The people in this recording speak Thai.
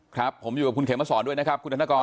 ครับผมอยู่กับคุณเขมสอนด้วยนะครับคุณธนกร